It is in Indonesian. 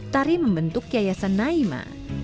tari membentuk yayasan naima